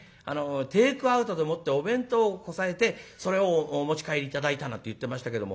テークアウトでもってお弁当をこさえてそれをお持ち帰り頂いたなんて言ってましたけれども。